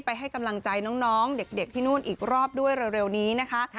ให้กำลังใจน้องเด็กที่นู่นอีกรอบด้วยเร็วนี้นะคะ